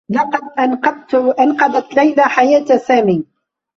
لقد أنقذت ليلى حياة سامي.